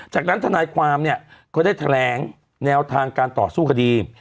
จากนั้นทนายความเนี่ยก็ได้แถลงแนวทางการต่อสู้คดี